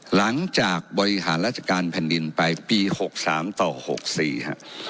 หลังจากบริหารราชการแผ่นดินไปปี๖๓ต่อ๖๔ฮะ